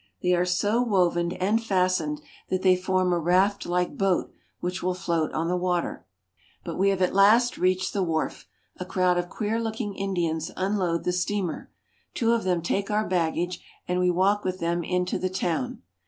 They are so woven and fastened S6 PERU. that they form a raftlike boat which will float on the water. But we have at last reached the wharf. A crowd of queer looking Indians unload the steamer. Two of them take our baggage, and we walk with them into the town.